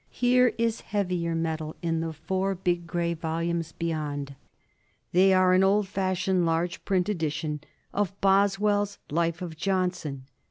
Here is heavier metal in the four big grey volumes beyond. They are an old fashioned large print edition of Boswell's "Life of Johnson."